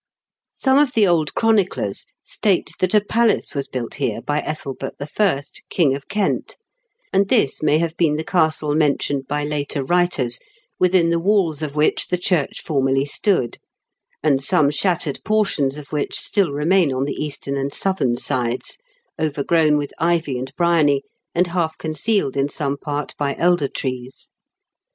Some of the old chroniclers state that a palace was built here by Ethelbert L, King of Kent, and this may have been the castle men tioned by later writers, within the walls of which the church formerly stood, and some shattered portions of which still remain on the eastern and southern sides, overgrown with ivy and briony, and half concealed in some part by elder trees.